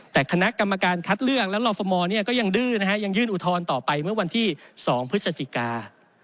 แต่คณะกรรมการคัดเลือกและรอฟมก็ยังดื้อนะฮะยังยื่นอุทธรณ์ต่อไปเมื่อวันที่๒พฤศจิกา